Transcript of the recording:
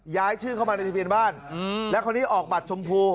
ย้ายชื่อเข้ามาในทะเบียนบ้านแล้วคนนี้ออกบัตรชมพู